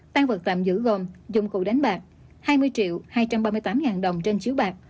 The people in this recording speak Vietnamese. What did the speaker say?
tan vật tạm giữ gồm dụng cụ đánh bạc hai mươi triệu hai trăm ba mươi tám ngàn đồng trên chiếu bạc